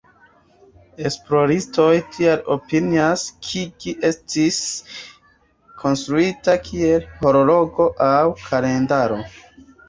Esploristoj tial opinias, ke ĝi estis konstruita kiel horloĝo aŭ kalendaro.